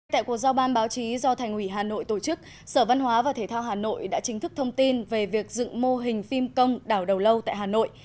tại cuộc giao ban báo chí do thành ủy hà nội tổ chức sở văn hóa và thể thao hà nội đã chính thức thông tin về việc dựng mô hình phim công đảo đầu lâu tại hà nội